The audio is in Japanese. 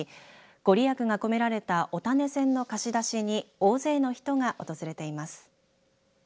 御利益が込められたお種銭の貸し出しに大勢の人が訪れています。